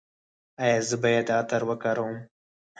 ایا زه باید عطر وکاروم؟